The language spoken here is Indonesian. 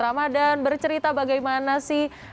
ramadan bercerita bagaimana sih